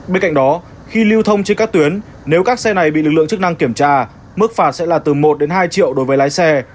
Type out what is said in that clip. bên cạnh đó khi lưu thông trên các tuyến nếu các xe này bị lực lượng chức năng kiểm tra mức phạt sẽ là từ một hai triệu đối với lái xe